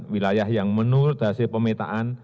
wilayah yang menurut hasil pemetaan